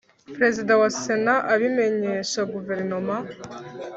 Perezida wa Sena abimenyesha Guverinoma